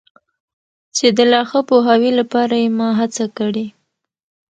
چي د لا ښه پوهاوي لپاره یې ما هڅه کړي.